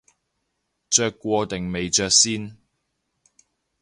着過定未着先